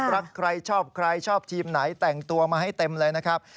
รักใครชอบใครชอบทีมไหนแต่งตัวมาให้เต็มเลยนะครับ